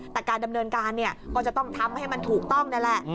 แต่การดำเนินการเนี่ยก็จะต้องทำให้มันถูกต้องนั่นแหละ